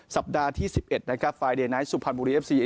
สัปดาห์ที่๑๑ฟายเดย์ไนท์สุพันธ์บุรีเอฟซี